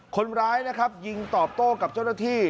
คนร้ายนะครับยิงตอบโต้กับเจ้าหน้าที่